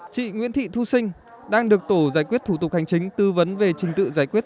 chị nguyễn thị thu sinh đang được tổ giải quyết thủ tục hành chính tư vấn về trình tự giải quyết